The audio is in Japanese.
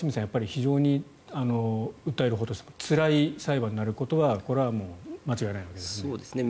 非常に訴えるほうとしてもつらい裁判になることはこれはもう間違いないわけですね。